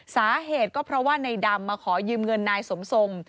สาเหตุก็เพราะว่าในดำมาขอยืมเงินนายสมทรง